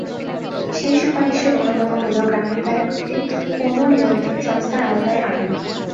সেই সুপারিশের অন্যতম হলো গ্রামীণ ব্যাংককে কোনো নিয়ন্ত্রক সংস্থার আওতায় আনা।